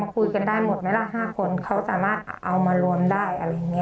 คุยกันได้หมดไหมล่ะ๕คนเขาสามารถเอามารวมได้อะไรอย่างนี้